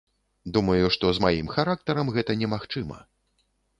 Думаю, што з маім характарам гэта немагчыма.